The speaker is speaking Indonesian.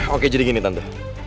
oke jadi gini tante